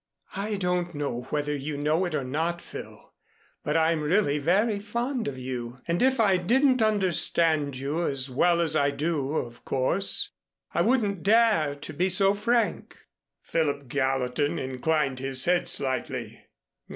"I don't know whether you know it or not, Phil, but I'm really very fond of you. And if I didn't understand you as well as I do, of course, I wouldn't dare to be so frank." Philip Gallatin inclined his head slightly.